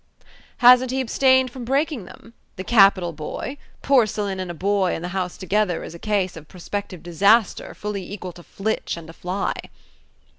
"Hasn't he abstained from breaking them? the capital boy! Porcelain and a boy in the house together is a case of prospective disaster fully equal to Flitch and a fly."